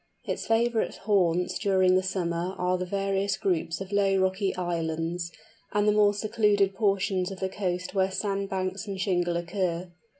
Its favourite haunts during the summer are the various groups of low rocky islands, and the more secluded portions of the coast where sandbanks and shingle occur.